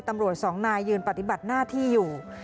ตำรวจสองนายยืนปฏิบัติหน้าที่อยู่